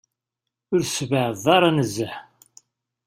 Ur tessbeεdeḍ ara nezzeh.